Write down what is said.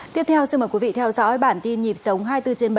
tiếp theo xin mời quý vị theo dõi bản tin nhịp sống hai mươi bốn trên bảy